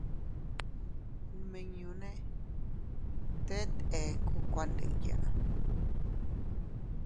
Nmiñune teet ekku kuandiya.